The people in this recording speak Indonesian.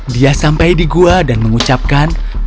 dia sampai di gua dan mengucapkan